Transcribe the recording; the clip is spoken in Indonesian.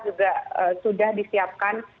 juga sudah disiapkan